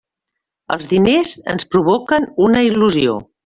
Els diners ens provoquen una il·lusió.